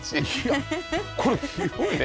これ広いね。